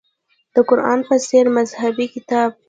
د قران په څېر مذهبي کتاب.